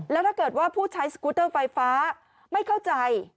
แล้วถ้าเกิดว่าผู้ใช้สกูเตอร์ไฟฟ้าไม่เข้าใจ